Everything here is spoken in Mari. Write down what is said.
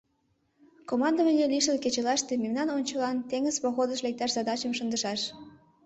Командований лишыл кечылаште мемнан ончылан теҥыз походыш лекташ задачым шындышаш.